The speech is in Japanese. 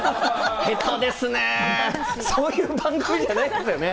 ベタですね、そういう番組じゃないですよね？